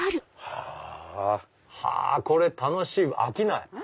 これ楽しい！飽きない。